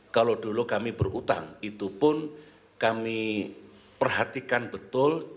kalau dulu kami berhutang itu pun kami perhatikan betul